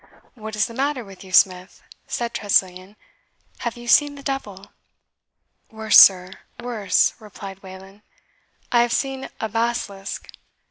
"What is the matter with you, Smith?" said Tressilian; "have you seen the devil?" "Worse, sir, worse," replied Wayland; "I have seen a basilisk.